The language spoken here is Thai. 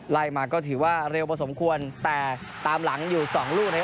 ไล่มาก็ถือว่าเร็วพอสมควรแต่ตามหลังอยู่สองลูกนะครับ